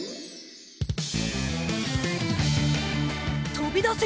とびだせ！